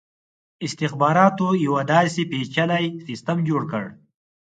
استخباراتو یو داسي پېچلی سسټم جوړ کړ.